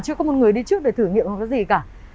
chưa có một người đi trước để thử nghiệm hoặc cái gì cả